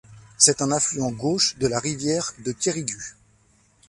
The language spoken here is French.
C'est un affluent gauche de la Rivière de Quérigut.